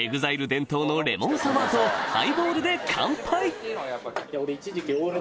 伝統のレモンサワーとハイボールで乾杯！